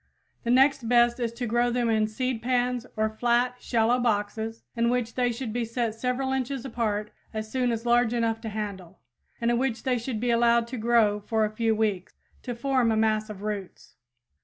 The next best is to grow them in seed pans or flats (shallow boxes) in which they should be set several inches apart as soon as large enough to handle, and in which they should be allowed to grow for a few weeks, to form a mass of roots.